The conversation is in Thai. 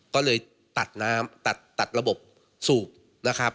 ก็เลยตัดระบบสูบนะครับ